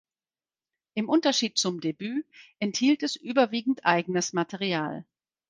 Im Unterschied zum Debüt enthielt es überwiegend eigenes Material.